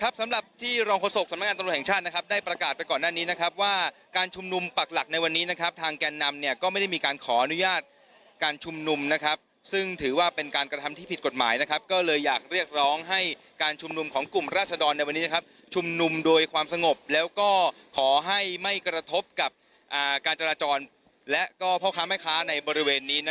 สำหรับที่รองโฆษกสำนักงานตำรวจแห่งชาตินะครับได้ประกาศไปก่อนหน้านี้นะครับว่าการชุมนุมปักหลักในวันนี้นะครับทางแกนนำเนี่ยก็ไม่ได้มีการขออนุญาตการชุมนุมนะครับซึ่งถือว่าเป็นการกระทำที่ผิดกฎหมายนะครับก็เลยอยากเรียกร้องให้การชุมนุมของกลุ่มราศดรในวันนี้นะครับชุมนุมโดยความสงบแล้วก็ขอให้ไม่กระทบกับการจราจรและก็พ่อค้าแม่ค้าในบริเวณนี้